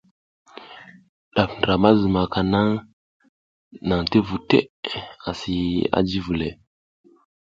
Ɗaf ndra ma zumaka naŋ ti vu teʼe asi a ji vule.